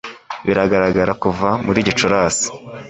bigaragara kuva muri Gicurasi